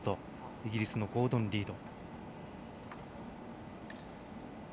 イギリスのゴードン・リード。